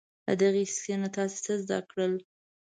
له دغې کیسې نه تاسې څه زده کړل؟